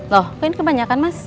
loh kok ini kebanyakan mas